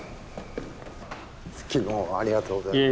昨日はありがとうございました。